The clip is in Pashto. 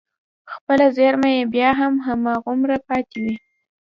خپله زېرمه يې بيا هم هماغومره پاتې وي.